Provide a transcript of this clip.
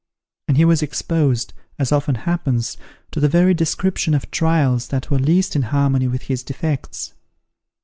And he was exposed (as often happens) to the very description of trials that were least in harmony with his defects.